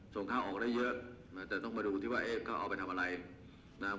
ส่งข้าวออกได้เยอะนะแต่ต้องมาดูที่ว่าเอ๊ะเขาเอาไปทำอะไรนะครับ